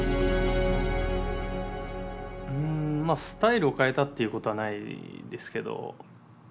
スタイルを変えたっていうことはないですけど。